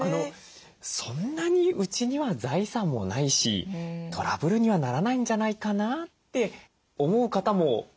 そんなにうちには財産もないしトラブルにはならないんじゃないかなって思う方も少なくないんじゃないかと思うんですけど。